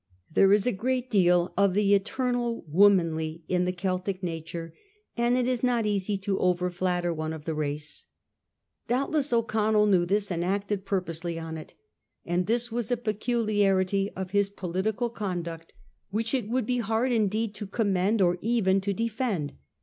There is a great deal of the ' etemal womaffy ' in the Celtic nature ; and it is not easy to overflatter one of the race. Doubtless O'Connell knew this and acted purposely on it ; and this was a peculiarity of his political conduct which it would be hard indeed to commend or even to defend.